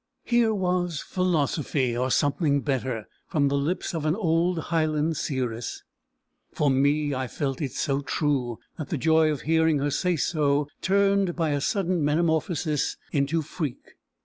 Here was philosophy, or something better, from the lips of an old Highland seeress! For me, I felt it so true, that the joy of hearing her say so turned, by a sudden metamorphosis, into freak.